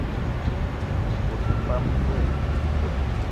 Ou te pam vé?